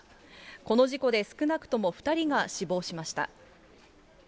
この事故で少なくとも２人が死亡しました。